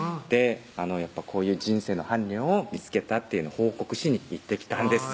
こういう人生の伴侶を見つけたっていうのを報告しに行ってきたんですよ